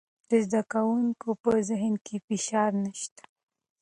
د زده کوونکو په ذهن کې فشار نشته.